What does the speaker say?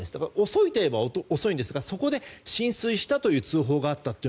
遅いといえば遅いですがそこで浸水したという通報があったと。